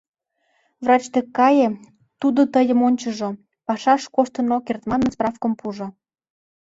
Врач дек кае, тудо тыйым ончыжо, «пашаш коштын ок керт» манын, справкым пуыжо.